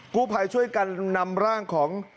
ผู้ภัยช่วยกันนำร่างของ